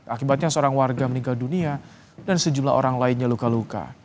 akibatnya seorang warga meninggal dunia dan sejumlah orang lainnya luka luka